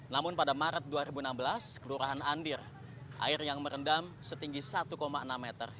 namun pada maret dua ribu enam belas kelurahan andir air yang merendam setinggi satu enam meter